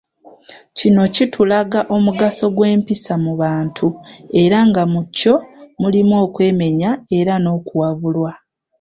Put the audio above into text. Kino kitulaga omugaso gw'empisa mu bantu era nga mu kyo mulimu okwemenya era n'okuwabulwa.